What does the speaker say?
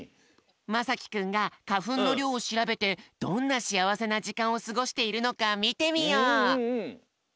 まさきくんがかふんのりょうをしらべてどんなしあわせなじかんをすごしているのかみてみよう！